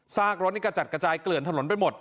กรถนี่กระจัดกระจายเกลื่อนถนนไปหมด